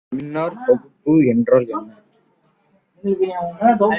மின்னாற்பகுப்பு என்றால் என்ன?